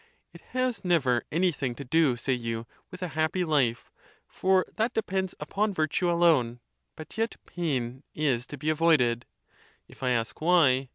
It has never anything to do, say you, with a happy life, for that depends upon virtue alone; but yet pain is to be avoided. If I ask, why?